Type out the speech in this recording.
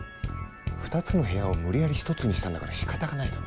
２つの部屋を無理やり一つにしたんだからしかたがないだろ。